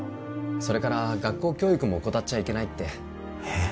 それから学校教育も怠っちゃいけないってえっ？